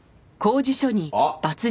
あっ！